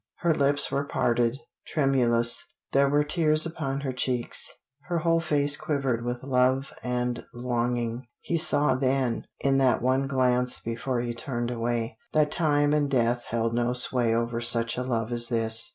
Her lips were parted tremulous; there were tears upon her cheeks; her whole face quivered with love and longing. He saw then, in that one glance before he turned away, that time and death held no sway over such a love as this.